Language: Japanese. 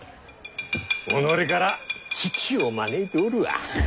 己から危機を招いておるわ。